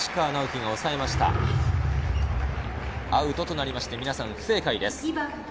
アウトとなって皆さん不正解です。